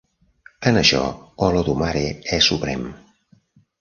En això, Olodumare és suprem.